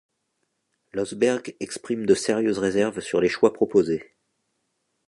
Lossberg exprime de sérieuses réserves sur les choix proposés.